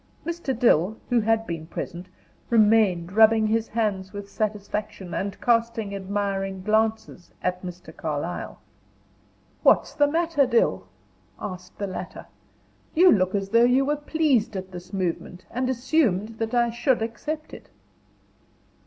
Mr. Dill, who had been present, remained rubbing his hands with satisfaction, and casting admiring glances at Mr. Carlyle. "What's the matter, Dill?" asked the latter; "you look as though you were pleased at this movement, and assumed that I should accept it."